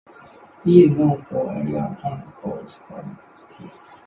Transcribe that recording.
He is known for his aerial and goal scoring abilities.